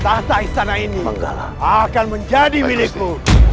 tahta istana ini akan menjadi milikmu